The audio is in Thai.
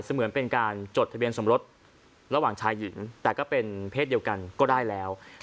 เหมือนเป็นการจดทะเบียนสมรสระหว่างชายหญิงแต่ก็เป็นเพศเดียวกันก็ได้แล้ว